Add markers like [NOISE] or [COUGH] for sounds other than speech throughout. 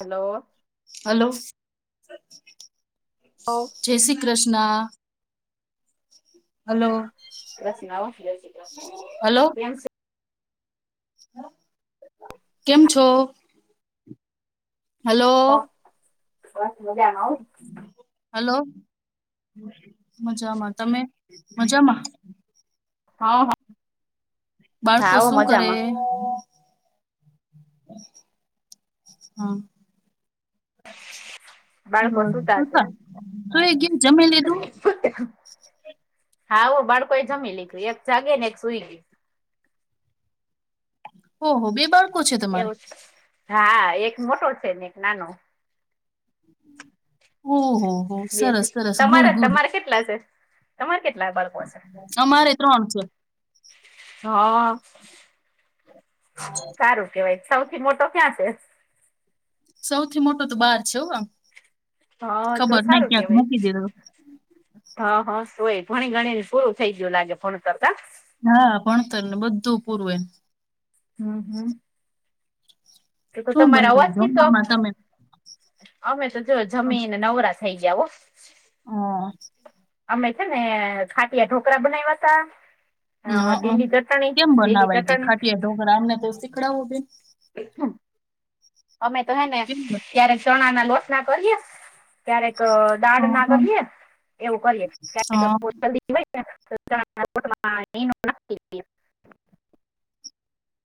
Hello hello hello જય Shri Krishna hello hello [UNINTELLIGIBLE] કેમ છો? હલો બસ મજામા હો હલો મજામાં તમે મજામાં? હા હા બાળકો હાઓ શું કરે? મજામાં હા બાળકો બસ સુતા હશે શું છે [UNINTELLIGIBLE] જમી લીધું? હા હો બાળકો એ જમી લીધું એક જાગે ને એક સુઈ ગયો. ઓહો બે બાળકો છે તમારે એવું છે હા એક મોટો છે ને એક નાનો ઓહો! હો બે સરસ છે સરસ ગુડ તમારા ગુડ તમારે કેટલા છે તમારે કેટલા બાળકો છે? અમારે ત્રણ છે. હા [INAUDIBLE] સારું કેવાય સૌથી મોટો ક્યાં છે? સૌથી મોટો તો બહાર છે હ હા તો ખબર નહી સારું ક્યાંક કેવાય મૂકી દીધો. હા હા શુ એ ભણી ગણી પૂરું થઈ ગયું લાગે ફોન કરતા. હા ભણતર ને બધું પૂરું એનું. હમ હમ એતો શું તો તમારા બનાવ્યું અવાજથી તો! જમવામાં તમે અમે તો જોવો જમી ને નવરા થઈ ગયા હો! હા, અમે છે ને ખાટયા ઢોકરા બનાવ્યા હતા ને, હા લીલી ચટણી, લીલી ચટણી. છોકરાઓને તો શીખવાડો બેન. [INAUDIBLE] અમે તો હેને ક્યારેક ચણા ના લોટના કરીએ. ક્યારેક, દાળ ના કરીએ. એવું કરીએ ક્યારેક બહુ જલ્દી હોય ને, [INAUDIBLE]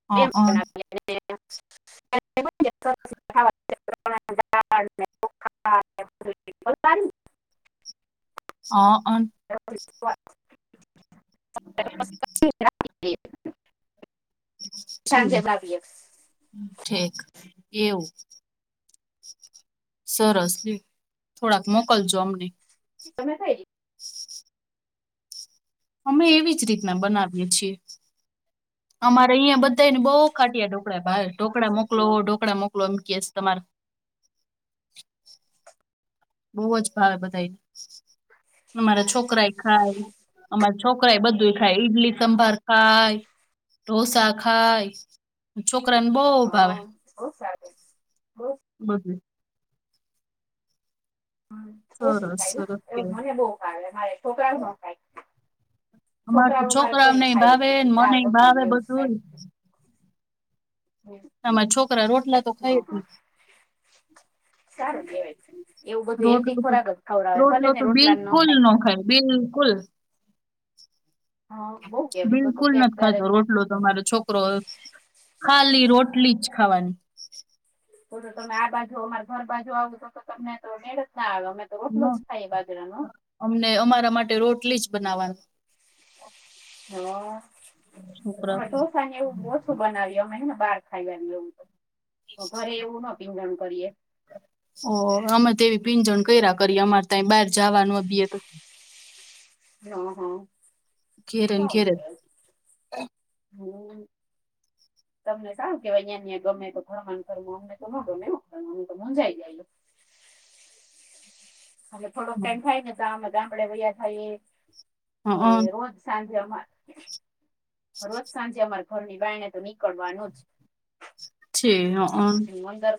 [INAUDIBLE] દાળ અને ચોખાને એવું બધું પલાળીને. અ અન, [INAUDIBLE] [INAUDIBLE] સાંજે લાવીયે. ઠીક એવુ, સરસ લ્યો. થોડાક મોકલજો અમને. તમે ખાય. [INAUDIBLE] અમે એવી જ રીતના બનાવીએ છીએ. અમારે અહીંયા બધાય ને બહુ ખાટિયા ઢોકળા ભાવે. ઢોકળા મોકલો, ઢોકળા મોકલો એમ કયે તમારે બહુ જ ભાવે બધાય ને અમારા છોકરાય ખાય અમા છોકરા એ બધું ખાય ઈડલી સંભાર ખાય, ઢોસા ખાય છોકરાઓ ને બહુ ભાવે. હા બહુ સરસ બહુ - બધુંય હમ ઓછું સરસ ખાય. સરસ એવું કેવાય મને બહુ ભાવે મારે છોકરાઓ ન ખાય. અમારે તો છોકરાઓ મારે કંઈ છોકરાઓને ખાય જ ભાવે નહી. એ ચા મને ને રોટલી ભાવે ને એવું જ ખાય. બધું તમારા છોકરા રોટલા તો ખાય હા જ નહી. [INAUDIBLE] સારું કહેવાય. એવું બધું હેલ્ધી રોટલું તો ખોરાક જ ખવડાવાય રોટલો ભલે તો ને રોટલા ન બિલકુલ ખાય. નો બિલકુલ હા બહુ કેવાય તો તો બિલકુલ ક્યાંક નથી ત્યારે ખાતો રોટલો તો મારો છોકરો ખાલી રોટલી જ ખાવાની. તો તો તમે આ બાજુ અમાર ઘર બાજુ આવો તો તો તમને તો મેળ જ ના આવે અમે તો રોટલો જ ખાઈએ બાજરાનો અમને અમારા માટે રોટલી જ બનાવવાનું. હા છોકરા હ ઢોસા ને એવું ઓછું બનાવીએ અમે હે ને બાર ખાઈ આવીએ એવું તો ઘરે એવું ન પીંજણ કરીએ. ઓ અમે તેવી પીંજણ કર્યા કરીએ. અમારે તૈયા બહાર જવા નો દે તો. હા હા ઘેરે ને ઘેરે સારું હમ, તમને સારું કેવાય ત્યાં ને ત્યાં ગમે ઘરમાં ને ઘરમાં અમને તો ન ગમે હો અમે તો મુંજાઈ જાયે. અમે થોડોક જ. ટાઈમ થાય ને તા અમે ગામડે વયા જઈએ. હઅ અને રોજ સાંજે અમારે રોજ સાંજે અમારે ઘરની બાયણ તો નીકળવાનું જ. છે હ અંદર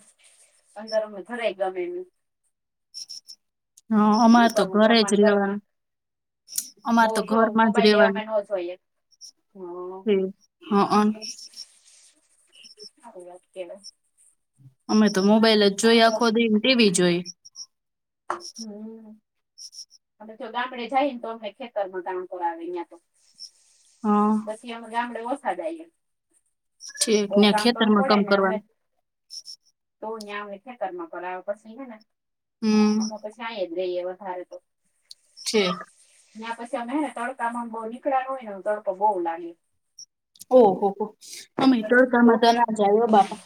અંદર એમને જરાય ગમે નહી હ હું અમારે તો કરવું ઘરે જ ઘરમાં ને ઘરમાં રેવાનું બહુ અમારે તો જો ઘરમાં જ મોબાઈલ રેવાનું લેવામાં નો [UNINTELLIGIBLE] હમ હા હ [UNINTELLIGIBLE] અમે તો મોબાઈલ જ જોઈ તો આખો દી ને ટીવી જોઈ હમ અમે તો ગામડે જઈ ને તો અમને ખેતરમાં કામ કરાવે ત્યાં તો. હ પછી અમે ગામડે ઓછા જાયએ. છેક બહુ ત્યાં કામ કરવું ખેતરમાં પડે કામ ને અમે કરવાનું તો ન્યાં ખેતરમાં કરાવે પછી હે ને હમ હા પછી તો અહીંયા જ રઈએ વધારે તો. છે. ન્યા પછી અમે હે ને તડકામાં બહુ નીકળ્યા હોય ને તડકો બહુ લાગે. ઓહો હો અમે તડકામાં તો ના જાય હો બાપા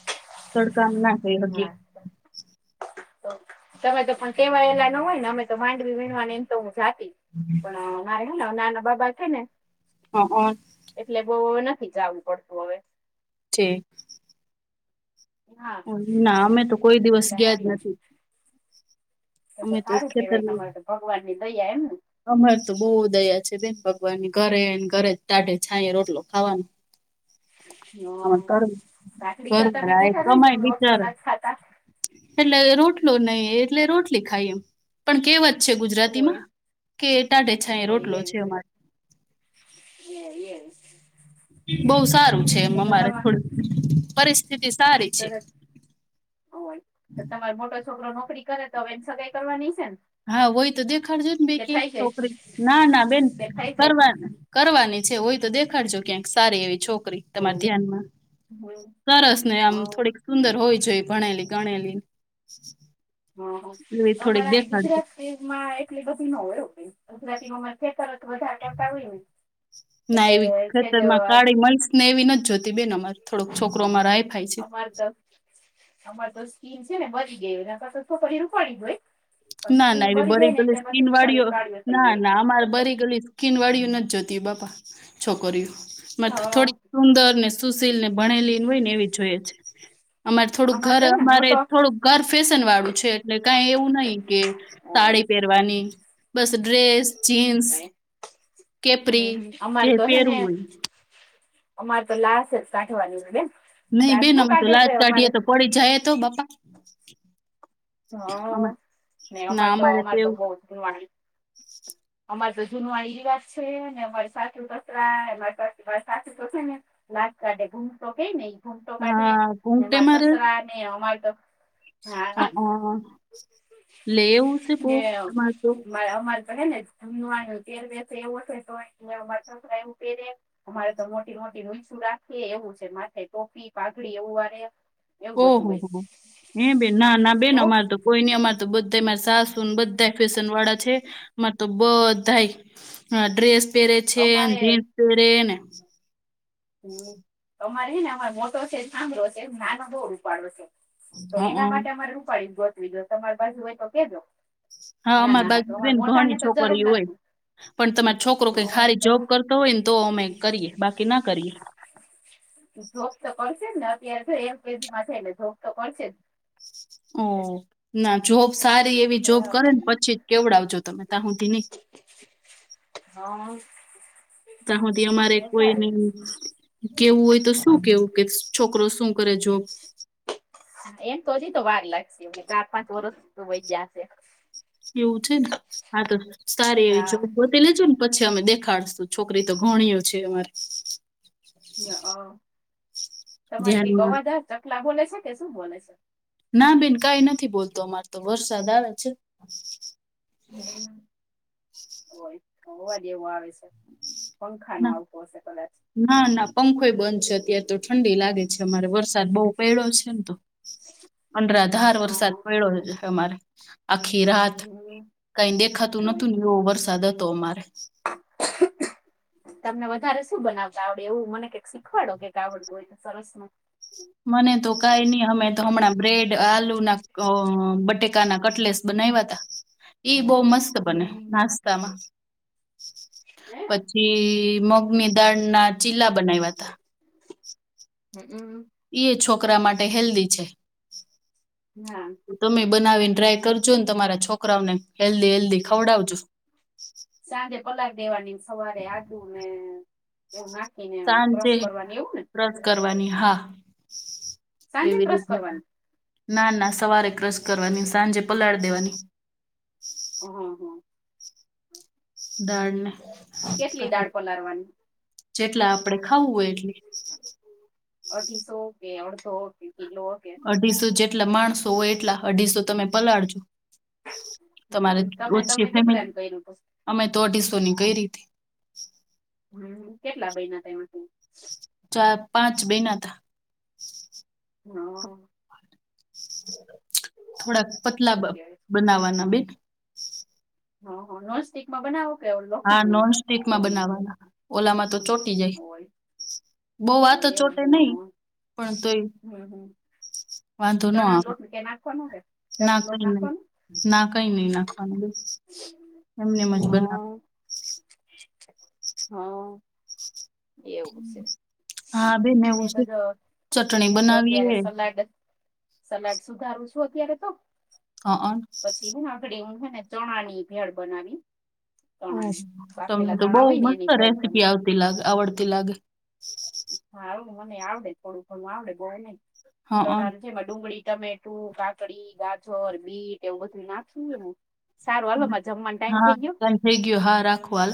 તડકામાં ના જઈ હકીએ [UNINTELLIGIBLE] તમે તો પણ ટેવાયેલા ન હોય ને અમે તો માંડવી વીણવા ને એમ તો હું જાતી. [UNINTELLIGIBLE] પણ મારે હે ને નાના બાબા છે ને હ અ એટલે બઉ હવે નથી જાવું પડતું હવે. ઠીક હા ના અમે તો કોઈ દિવસ એટલે ગયા જ હાલ નથી. તો તો સારૂ કેવાય તમારેતો ભગવાનની દયા એમ અમારેતો બહુ દયા છે બેન ભગવાનની ઘરે ને ઘરે ટાઢે છાંયે રોટલો ખાવાનો. કાકડી તો હા તમે કેતા [UNINTELLIGIBLE] હતા ને કે કમાય અમે રોટલો બિચારા નથી ખાતા એટલે રોટલો નહી એટલે રોટલી ખાઈએ પણ કહેવત છે હોય ગુજરાતીમાં કે ટાઢે છાંયે તો રોટલો એવું છે અમારે. [UNINTELLIGIBLE] બહું સારું છે એમ તો અમારે તમે થોડું પરિસ્થિતિ સારી તો છે. હોય તો તમારો મોટો છોકરો નોકરી કરે તો હવે એની સગાઈ કરવાની હશે ને? હા હોય તો દેખાડજો ને બેન કે ક્યાંક થઈ ગઈ છોકરી નાના બેન કે થઈ ગઈ કરવાના કરવાની છે હોય તો દેખાડજો ક્યાંક સારી એવી છોકરી તમારા ઓય ધ્યાનમાં હમ સરસ ને આમ હા થોડીક સુંદર હોવી જોઈએ ભણેલી ગણેલી. એવી હા થોડીક અમારે અહીં દેખાડજો ગુજરાતી એટલી બધી ન હોય હો ગુજરાતી માં ખેતરજ વધારે કરતા હોય ને ના એટલે એવી સેજ ખેતરમાં આવી. કાળી ને મલ્સ અમને એવી નથી જોઈતી બેન છોકરો અમારે હાઈફાઈ છે. અમારે તો સ્કીન છે ને બળી ગયેલી નહિતો છોકરી રૂપાળીજ હોય. પણ નાના સ્કીન એવી બરી જાય બળી ને ગેલી એટલે સ્કિન પછી બિચારી વાળીઓ કાળીઓ થઈ જાય નાના અમારે બડી ગેલી બળી ગેલી સ્કિન વાળી નથી જોતી બાપા છોકરીયું અમારે તો હા થોડીક સુંદર ને સુશીલ ને ભણેલી હોય ને એવી જોઈએ છે. અમારે થોડુંક ઘર તો હે ને અમારે મોટો થોડુંક ઘર ફેશન વાળું છે એટલે કઈ એવું નહી સાડી હોય પહેરવાની બસ ડ્રેસ જીન્સ કેપ્રી જે અમારે તો હે પેરવુ ને હોય અમારે તો લાજ જ કાઢવાની હોય બેન નહી બેન દાખલો અમે તો કાઢે લાજ આપડે અમારે કાઢીએ તો પડી જઈએ તો બાપા અમે હા ને અમાર તો અમારે તો બોવ જૂનવાણી અમારે તો જૂનવાણી રિવાજ છે ને અમારે સાસુ સસરા ને અમારે મારા સાસુ તો છે ને લાજ કાઢે ઘૂમટો કે ને ઘૂમટો કાઢે હા ને મારે ઘૂંઘટેમાં સસરાને અમારે તો હ હા હ લે એવું છે ને બોવ તમારે તો અમારે તો છેને પહેરવેશ એવો છે ને તોય તે અમારે સસરા એમ કહી દે અમારે તો મોટી મોટી મૂછુ રાખે એવું છે માથે ટોપી પાઘડી એવું રાખે ઓહો હો હો એ બેન નાં ના બેન અમારે તો કોઈ નહી અમારે તો બધા યે મારા સાસુ ને બધા ફેશન વાળા છે અમાર તો બધાય હા ડ્રેસ પેરે છે ને અમારે જીન્સ પેરે ને હ અમારે હે ને મોટો છે ને શામળો છે નાનો બઉ રૂપાળો છે તો એના માટે અમારે રૂપાળી ગોતવી જોશે તમારી બાજુ હોય તો કેજો હા ના અમારી ના બાજુ તો અમારે બેન મોટા ને ઘણી તો જરૂર છોકરીયું હોય નથી પણ તમારો છોકરો કંઈક હારી જોબ કરતો હોય હોય ને તો અમે કરીએ બાકી ન કરીએ જોબ તો કરશે જ અત્યારે જો એક જગ્યા એ જાય તો જોબ તો કરશે જ એ ના જોબ સારી એવી જોબ કરે હા ને પછી જ કેવડાવજો તમે ત્યાં સુધી નહી હા. ત્યાં સુધી અમારે કોઈ નહી હો કેવું હોય તો શું કેવું કે છોકરો શું કરે જોબ એમ તો હજી તો વાર લાગશે ચાર પાંચ વરસ તો વૈઇ ગયા હશે તો એવું છે ને હા સારી એવી હા જોબ કર પેલા છે ને પછી અમે દેખાડશું છોકરીઓ તો ઘણીયું છે અમારે હઅ તમારે કંઈક ધ્યાનમાં અવાજ આવે છે ચકલા બોલે છે કે શું બોલે છે ના બેન કઈ નથી બોલતું અમારે તો વરસાદ આવે છે. હમ્મ હોય અવાજ એવો આવે સે પંખા નો ના આવતો અશે કદાચ ના ના પંખોઈ બંધ છે અત્યાર તો ઠંડી લાગે છે અમારે વરસાદ બઉ પડ્યો છે ને તો અંળાધાર હા વરસાદ હા પડ્યો અમારે આખી રાત હમ કઈ દેખાતું હોય નતું એવો વરસાદ હતો અમારે [UNINTELLIGIBLE] તમને વધારે શું બનાવતા આવડે એવું મને કઈક શીખવાડો કેક આવડતું હોય તો સરસ નું મને તો કાય ની અમે તો હમણાં બ્રેડ, આલુ ના અ બટેકા ના કટલેસ બનાવાતા ઈ બો મસ્ત બને હમ નાસ્તામાં પછી મગની દાળ ના ચીલા બનાયવાતા. હમ્મ હમ્મ. ઈએ છોકરા માટે હેલ્ધી છે. હા. તમે બનાવીને ટ્રાય કરજો ને તમારા છોકરાઓને હેલ્ધી હેલ્ધી ખવડાવજો. સાંજે પલાડ દેવાની સવારે આડું ને એવું નાખી ને ક્રસ સાંજે કરવાની એવું ને ક્રશ કરવાની હા સાંજે એવી ક્રશ રીતના. કરવાની ના ના સવારે ક્રશ કરવાની સાંજે પલાળ દેવાની અ હ. દાળ ને કેટલી દાળ [UNINTELLIGIBLE] પલાળવાની જેટલા આપળે ખાવું હોય એટલુ અઢીસો, કે અળધો, કે કિલો, કે અઢીસો જેટલા માણસો હોય એટલા અઢીસો તમે પલાળજો હમ તમારે હમ. તમે ઓછી તમે કેટલાને કર્યું હતું ફેમિલીઅમે તો અઢીસો ની કૈરી તી. હમ્મ કેટલા બૈના તા એમાં થી? ચાર-પાંચ બૈના તા. હ અ. થોડાક પતલા બ સારું કેવાય બનાવાના બેન. હ હ નોનસ્ટિક માં બનાવો કે ઓ હા લોખંડ ની નોન સ્ટિકમાં તવી બનાવવાના ઓલામાં તો ચોટી જાય બો વાર તો હોય એવું ચોટે નય હમ હમ પણ તોય વાંધો ન ચણા આવે લોટ કે નાખવાનો કે? ના ચણાનો લોટ કઈ નય નાખવાનો ના કઈ નય નાખવાનું બેન એમને એમજ બનાવ. હા એવું સે. હા બેન મે એવું તો છે જો ચટણી હું તો અત્યારે બનાવીએ સલાડ જ સલાડ સુધારું સુ અત્યારે તો. હ અ પછી હું આગળી હું હેને ચણા ની ભેળ બનાવી. ઓ, ચણાની તમને બાફેલા તો બો ચણા હોય ને મસ્ત એની ભેળ બને રેસીપી આવતી લાગે આવડતી લાગે. હા આવને મને આવડે થોડું ઘણું આવડે બવ નય, હા ચણાની જેમાં ડુંગળી, ટમેટું, કાકડી, ગાજર, બીટ એવું બધું નાખીને સારું હાલોમાં માર જમવાનું ટાઈમ થઈ ગ્યો. થૈય ગ્યો હા, રાખો હાલ.